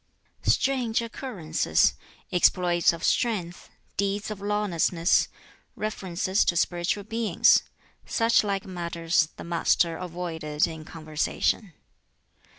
Strange occurrences, exploits of strength, deeds of lawlessness, references to spiritual beings such like matters the Master avoided in conversation.